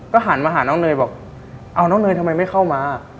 หันมาหาน้องเนยบอกเอาน้องเนยทำไมไม่เข้ามา